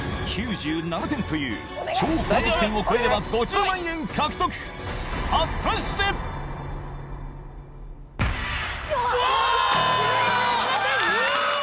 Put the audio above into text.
９７点という超高得点を超えれば５０万円獲得果たして⁉うわ！